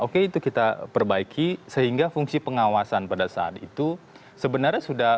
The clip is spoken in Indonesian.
oke itu kita perbaiki sehingga fungsi pengawasan pada saat itu sebenarnya sudah